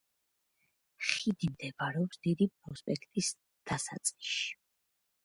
ხიდი მდებარეობს დიდი პროსპექტის დასაწყისში.